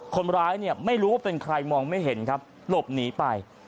คนร้ายเนี่ยไม่รู้ว่าเป็นใครมองไม่เห็นครับหลบหนีไป